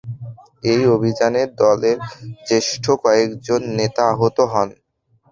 এই অভিযানে দলের জ্যেষ্ঠ কয়েকজন নেতা আহত হন।